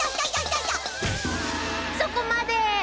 そこまで！